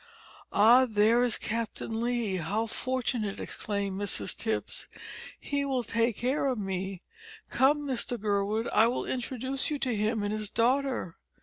"Oh, there is Captain Lee. How fortunate," exclaimed Mrs Tipps, "he will take care of me. Come, Mr Gurwood, I will introduce you to him and his daughter."